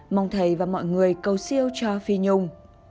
mong thầy và mọi người cầu siêu cho phi nhung